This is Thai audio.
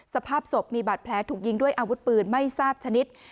สภาพศพมีบาดแผลถูกยิงด้วยอาวุธปืนไม่ทราบชนิด